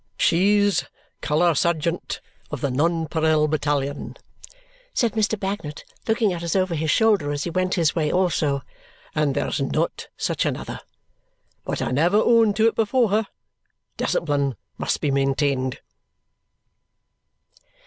"She's Colour Sergeant of the Nonpareil battalion," said Mr. Bagnet, looking at us over his shoulder as he went his way also. "And there's not such another. But I never own to it before her. Discipline must be maintained."